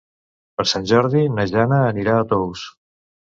Per Sant Jordi na Jana anirà a Tous.